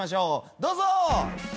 どうぞ！